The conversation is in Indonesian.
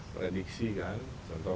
prediksi kan contoh